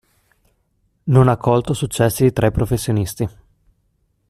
Non ha colto successi tra i professionisti.